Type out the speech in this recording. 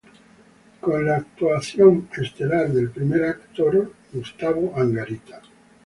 Con la actuación estelar del primer actor Gustavo Angarita.